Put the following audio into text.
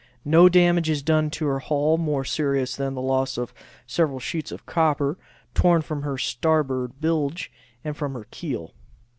No damage is done to her hull more serious than the loss of several sheets of copper, torn from her starboard bilge and from her keel.